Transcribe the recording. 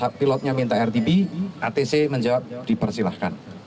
karena pilotnya minta rtb atc menjawab dipersilahkan